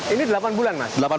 ini delapan bulan mas